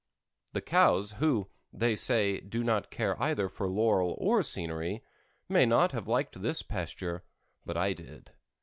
The cows, who, they say, do not care either for laurel or scenery, may not have liked this pasture, but I did.